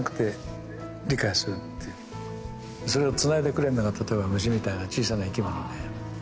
それをつないでくれるのが例えば虫みたいな小さな生き物で。